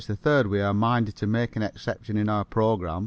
3rd we are minded to make an exception in our program.